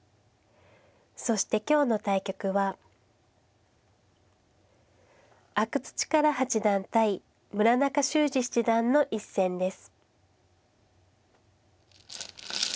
そして今日の対局は阿久津主税八段対村中秀史七段の一戦です。